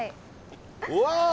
うわ！